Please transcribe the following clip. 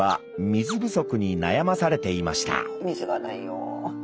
水がないよ。